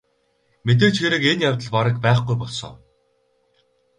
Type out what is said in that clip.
Мэдээж хэрэг энэ явдал бараг байхгүй болсон.